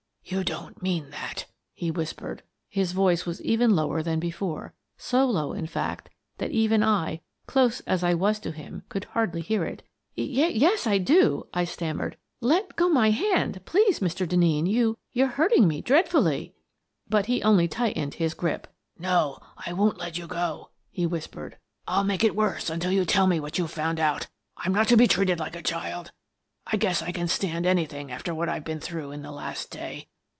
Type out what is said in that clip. " You don't mean that !" he whispered. His voice was even lower than before — so low, in fact, that even I, close as I was to him, could hardly hear it. " Yes, I do! " I stammered. " Let go my hand, please, Mr. Denneen; you — you're hurting me dreadfully!" But he only tightened his grip. " No, I won't let you go," he whispered. " I'll make it worse until you tell me what you've found out. I'm not to be treated like a child. I guess I can stand anything after what I've been through in the last day.